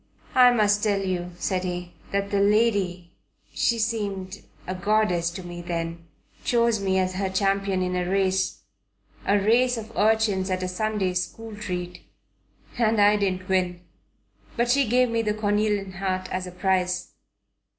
"I must tell you," said he, "that the lady she seemed a goddess to me then chose me as her champion in a race, a race of urchins at a Sunday school treat, and I didn't win. But she gave me the cornelian heart as a prize."